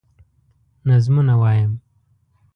نظمونه وايم